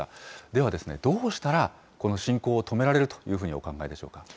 では、どうしたらこの侵攻を止められるというふうにお考